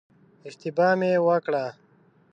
اشتباه مې وکړه.